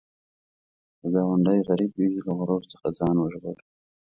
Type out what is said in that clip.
که ګاونډی غریب وي، له غرور څخه ځان وژغوره